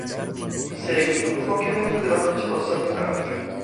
In seguito, fu anche membro della Croce Rossa britannica.